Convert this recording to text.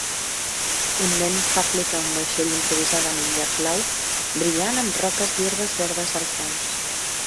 Un nen fa flotar un vaixell improvisat en un llac blau brillant amb roques i herbes verdes al fons